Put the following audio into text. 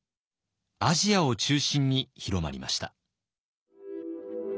アジアを中心に広まりました。